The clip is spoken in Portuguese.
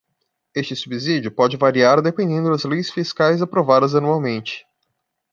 Este subsídio pode variar dependendo das leis fiscais aprovadas anualmente.